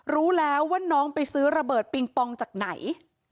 รู้แล้วว่าน้องไปซื้อระเบิดปิงปองจากไหน